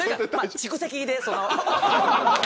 蓄積で。